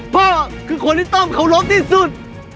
พ่อคือคนที่ต้มของโลภที่สุด